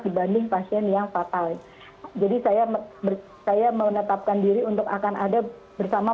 dibanding pasien yang fatal jadi saya saya menetapkan diri untuk akan ada bersama